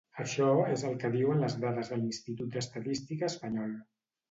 Això és el que diuen les dades de l'Institut d'Estadística espanyol.